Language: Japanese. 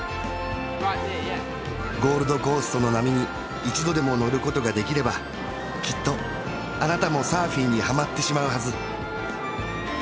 ゴールドコーストの波に一度でも乗ることができればきっとあなたもサーフィンにはまってしまうはず